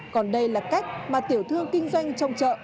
còn đây là cách mà tiểu thương kinh doanh trong chợ